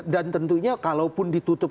dan tentunya kalaupun ditutup